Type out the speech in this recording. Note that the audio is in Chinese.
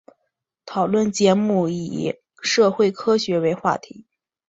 讨论节目以社会科学为话题。